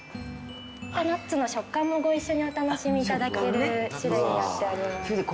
ナッツの食感もご一緒にお楽しみいただける種類になっております。